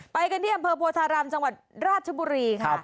ไปกันที่อำเภอโพธารามจังหวัดราชบุรีค่ะ